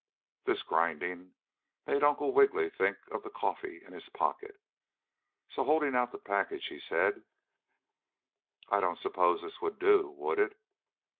This grinding made Uncle Wiggily think of the coffee in his pocket. So, holding out the package, he said: "I don't s'pose this would do, would it?"